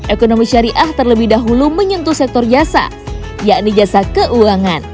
ekonomi syariah terlebih dahulu menyentuh sektor jasa yakni jasa keuangan